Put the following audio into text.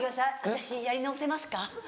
私やり直せますか？